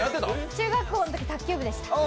中学校のとき卓球部でした。